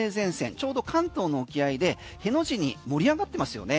ちょうど関東の沖合でへの字に盛り上がってますよね。